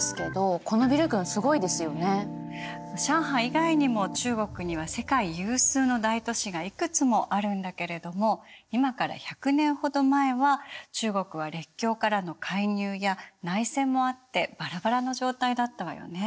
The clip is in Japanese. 以外にも中国には世界有数の大都市がいくつもあるんだけれども今から１００年ほど前は中国は列強からの介入や内戦もあってバラバラの状態だったわよね。